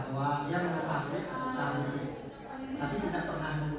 mana yang mau melihatkan para bukti